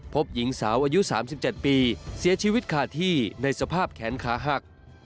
พบหญิงสาวอายุสามสิบเจ็ดปีเสียชีวิตขาดที่ในสภาพแขนค้าหัก